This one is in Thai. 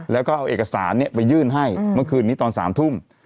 แล้วก็เอาเอกสารไปยื่นให้เมื่อคืนนี้ตอน๓ทุ่ม